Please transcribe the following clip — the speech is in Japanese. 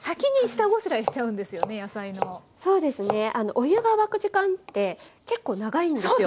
お湯が沸く時間って結構長いんですよ。